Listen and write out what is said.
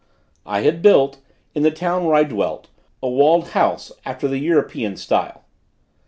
I had built, in the town where I dwelt, a walled house, after the European style.